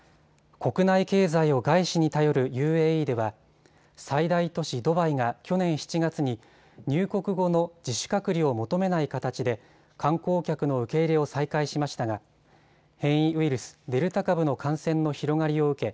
国内経済を外資に頼るＵＡＥでは最大都市ドバイが去年７月に入国後の自主隔離を求めない形で観光客の受け入れを再開しましたが変異ウイルス、デルタ株の感染の広がりを受け